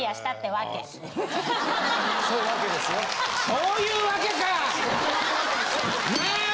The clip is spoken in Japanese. そういうワケか！